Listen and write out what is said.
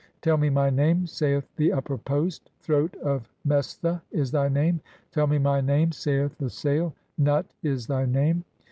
1 5 9 "Tell me my name," saith the Upper post ; (17) "Throat of "Mestha" is thy name. "Tell me my name," saith the Sail; (18) "Nut" is thy name.